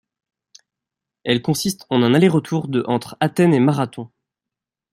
Elle consiste en un aller-retour de entre Athènes et Marathon.